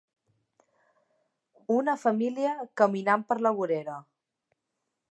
Una família caminant per la vorera.